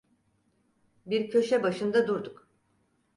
Bir köşe başında durduk.